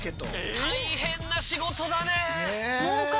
大変な仕事だね。